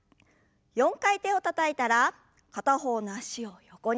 ４回手をたたいたら片方の脚を横に。